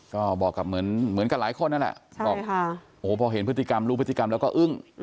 ก็บอกกับเหมือนกับหลายคนนั่นแหละบอกโอ้โหพอเห็นพฤติกรรมรู้พฤติกรรมแล้วก็อึ้ง